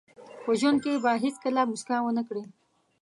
چې په ژوند کې به هیڅکله موسکا ونه کړئ.